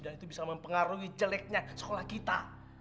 dan itu bisa mempengaruhi jeleknya sekolah kita